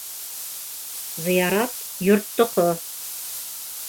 Зыярат йорттоҡо!